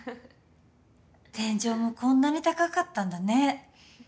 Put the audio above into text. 天井もこんなに高かったんだね